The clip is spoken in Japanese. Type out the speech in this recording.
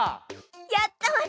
やったわね！